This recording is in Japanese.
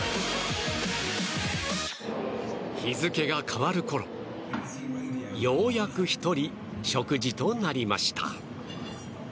日付が変わるころ、ようやく１人食事となりました。